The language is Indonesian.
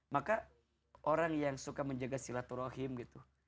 maka orang yang suka menjaga silaturahim gitu